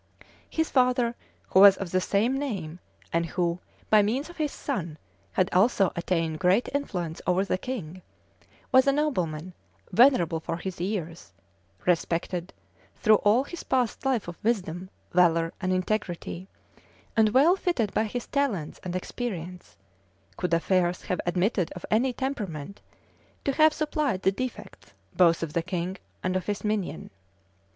His father, who was of the same name, and who, by means of his son, had also attained great influence over the king, was a nobleman venerable from his years, respected through all his past life for wisdom, valor, and integrity, and well fitted by his talents and experience, could affairs have admitted of any temperament, to have supplied the defects both of the king and of his minion.